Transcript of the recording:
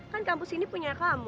kan kampus ini punya kamu